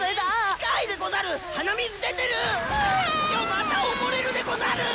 また溺れるでござる！